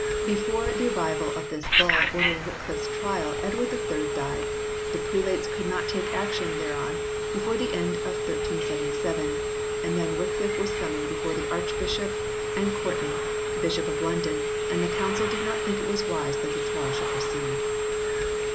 Before the arrival of this Bull ordering Wycliffe s trial Edward III died ; the prelates could not take action thereon before the end of 1377, and when Wycliffe was sum moned before the Archbishop and Courtney, Bishop of London, the Council did not think it wise that the trial should proceed.